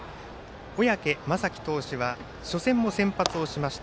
小宅雅己投手は初戦も先発をしました